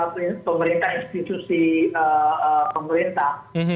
jadi pemerintah institusi pemerintah